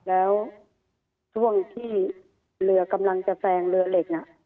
แล้วช่วงที่เรือกำลังจะแซงเรือเหล็กน่ะ